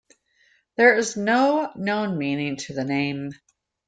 There is no known meaning to the name.